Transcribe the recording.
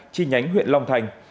chi nhánh huyện long thành